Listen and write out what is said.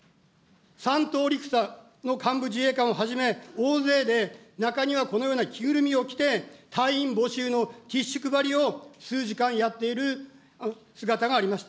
３等陸佐の自衛隊官をはじめ、大勢で中にはこのような、着ぐるみを着て隊員募集のティッシュ配りを長時間している姿があります。